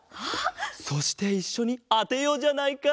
そしていっしょにあてようじゃないか。